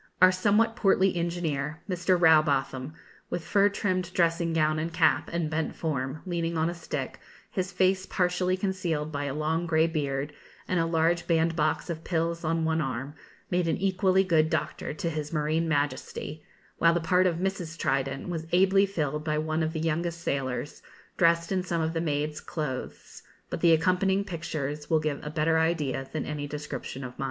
Our somewhat portly engineer, Mr. Rowbotham, with fur trimmed dressing gown and cap, and bent form, leaning on a stick, his face partially concealed by a long grey beard, and a large band box of pills on one arm, made an equally good doctor to his Marine Majesty, while the part of Mrs. Trident was ably filled by one of the youngest sailors, dressed in some of the maids' clothes; but the accompanying pictures will give a better idea than any description of mine.